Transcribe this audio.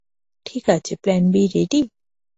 ঠিক আছে, plan B, ready?